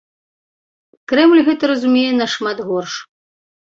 Крэмль гэта разумее нашмат горш.